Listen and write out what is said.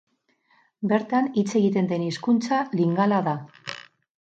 Bertan hitz egiten den hizkuntza Lingala da.